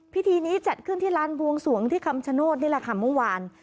พิธีนี้จัดขึ้นที่ร้านบวงสวงที่คำชโนธนี่แหละค่ะเมื่อวาน